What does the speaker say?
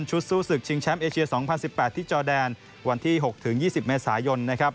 สู้ศึกชิงแชมป์เอเชีย๒๐๑๘ที่จอแดนวันที่๖๒๐เมษายนนะครับ